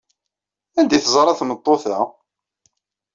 Anda ay teẓra tameṭṭut-a?